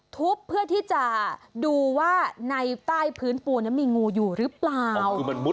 เพื่อที่จะดูว่าในใต้พื้นปูนั้นมีงูอยู่หรือเปล่า